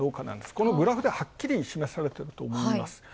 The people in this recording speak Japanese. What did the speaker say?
このグラフで、はっきり示されていると思います。